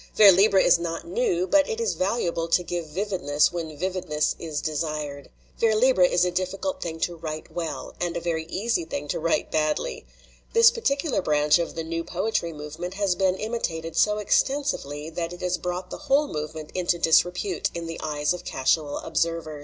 Vers libre is not new, but it is valuable to give vividness when vividness is desired. Vers libre is a difficult thing to write well, and a very easy thing to write badly. This particular branch of the new poetry movement has been imitated so extensively that it has brought the whole move ment into disrepute in the eyes of casual observers.